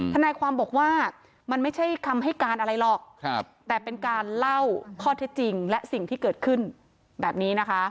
ทนายความบอกว่ามันไม่ใช่คำให้การอะไรหรอกแต่เป็นการเล่าข้อเท็จจริงและสิ่งที่เกิดขึ้นแบบนี้นะคะ